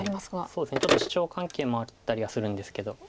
そうですねちょっとシチョウ関係もあったりはするんですけど。